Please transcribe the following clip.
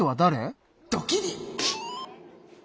ドキリ。